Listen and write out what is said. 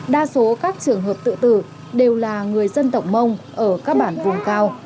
đa số các trường hợp tự tử đều là người dân tổng mông ở các bảng